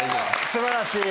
素晴らしい！